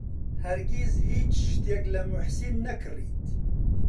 هەرگیز هیچ شتێک لە موحسین نەکڕیت.